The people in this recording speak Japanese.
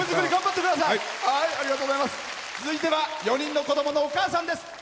続いては４人の子どものお母さんです。